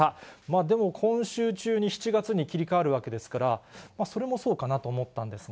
でも今週中に７月に切り替わるわけですから、それもそうかなと思ったんですが。